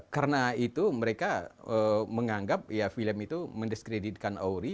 karena itu mereka menganggap film itu mendiskreditkan auri